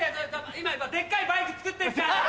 今デッカいバイク作ってっから！